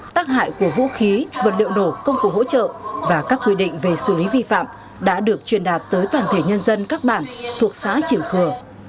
tác hại của vũ khí vật liệu nổ công cụ hỗ trợ và các quy định về xử lý vi phạm đã được truyền đạt tới toàn thể nhân dân các bản thuộc xã triềng khừa